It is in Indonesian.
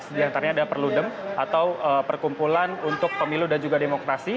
di antaranya ada perludem atau perkumpulan untuk pemilu dan juga demokrasi